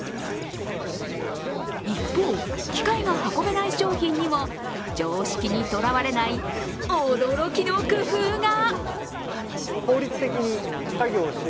一方、機械が運べない商品にも常識にとらわれない驚きの工夫が。